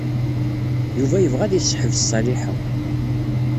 Yuba yebɣa ad iseḥbes Ṣaliḥa.